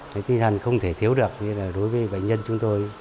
thì tinh thần không thể thiếu được đối với bệnh nhân chúng tôi